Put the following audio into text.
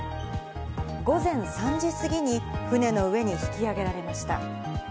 午前３時過ぎに船の上に引き揚げられました。